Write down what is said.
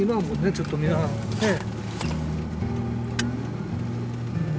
ちょっと皆さんねえ。